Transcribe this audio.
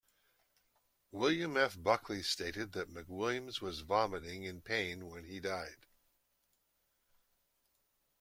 William F. Buckley stated that McWilliams was vomiting and in pain when he died.